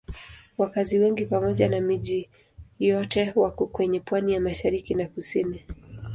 Wakazi wengi pamoja na miji yote wako kwenye pwani ya mashariki na kusini.